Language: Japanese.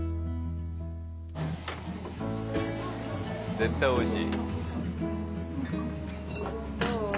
絶対おいしい。